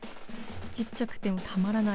ちっちゃくてもうたまらない。